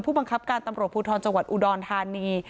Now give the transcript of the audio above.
บังคับการตำรวจภูทรจังหวัดอุดรธานี